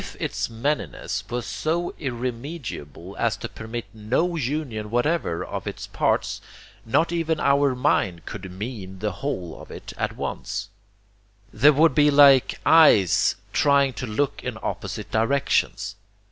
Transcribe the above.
If its manyness were so irremediable as to permit NO union whatever of it parts, not even our minds could 'mean' the whole of it at once: the would be like eyes trying to look in opposite directions.